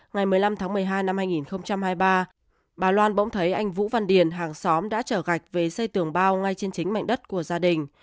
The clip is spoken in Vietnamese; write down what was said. ngày một mươi năm tháng một mươi hai năm hai nghìn hai mươi ba bà loan bỗng thấy anh vũ văn điền hàng xóm đã trở gạch về xây tường bao ngay trên chính mảnh đất của gia đình